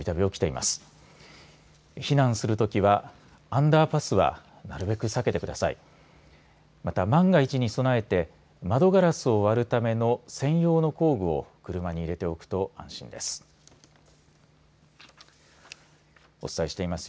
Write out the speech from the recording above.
また万が一に備えて窓ガラスを割るための専用の工具を車に入れておくと安心です。